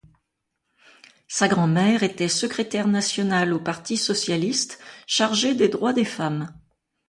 Sa grand-mère était secrétaire nationale au Parti socialiste chargée des droits des femmes.